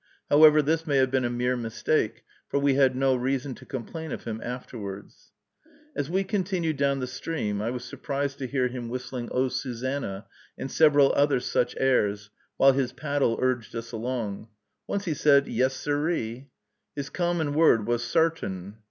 However, this may have been a mere mistake, for we had no reason to complain of him afterwards. As we continued down the stream, I was surprised to hear him whistling "O Susanna" and several other such airs, while his paddle urged us along. Once he said, "Yes, sir ee." His common word was "Sartain."